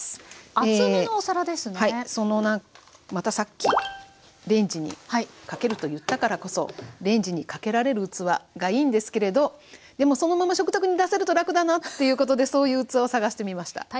またさっきレンジにかけると言ったからこそレンジにかけられる器がいいんですけれどでもそのまま食卓に出せると楽だなっていうことでそういう器を探してみました。